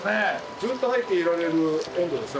ずっと入っていられる温度ですね